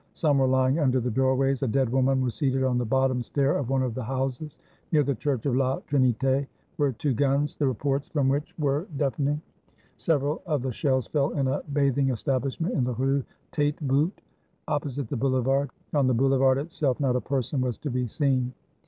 Some were lying under the doorways; a dead woman was seated on the bottom stair of one of the houses. Near the church of "La Trinite" were two guns, the reports from which were 416 ONE DAY UNDER THE COMMUNE deafening; several of the shells fell in a bathing establish ment in the Rue Taitbout opposite the Boulevard. On the Boulevard itself, not a person was to be seen.